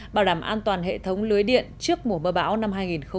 bảo đảm an toàn hệ thống lưới điện trước mùa mưa bão năm hai nghìn một mươi tám